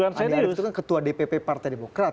andi arief itu kan ketua dpp partai demokrat